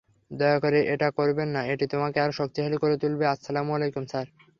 দয়া করে এটা করবেন না এটি তোমাকে আরো শক্তিশালী করে তুলবে আসসালামুয়ালাইকুম স্যার।